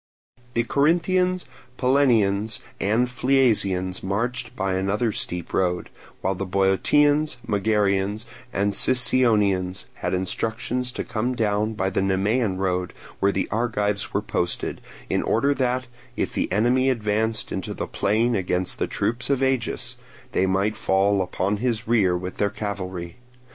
The Corinthians, Pellenians, and Phliasians marched by another steep road; while the Boeotians, Megarians, and Sicyonians had instructions to come down by the Nemean road where the Argives were posted, in order that, if the enemy advanced into the plain against the troops of Agis, they might fall upon his rear with their cavalry.